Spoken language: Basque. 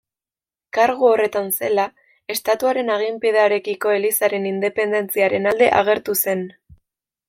Kargu horretan zela, estatuaren aginpidearekiko elizaren independentziaren alde agertu zen.